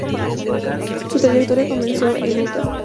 Su trayectoria comenzó en Utah.